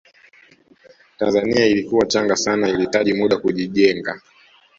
tanzania ilikuwa changa sana ilihitaji muda kujijenga